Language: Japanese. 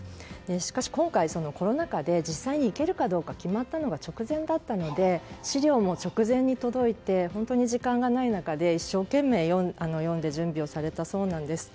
しかし今回、コロナ禍で実際に行けるかどうか決まったのが直前だったので資料も直前に届いて時間がない中で一生懸命読んで準備をされたそうなんです。